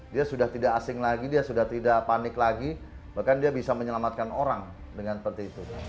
dia sudah tidak asing lagi dia sudah tidak panik lagi bahkan dia bisa menyelamatkan orang dengan seperti itu